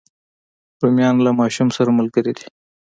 رومیان له ماشوم سره ملګري دي